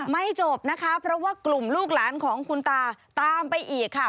ไม่จบนะคะเพราะว่ากลุ่มลูกหลานของคุณตาตามไปอีกค่ะ